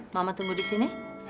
mama tunggu di sini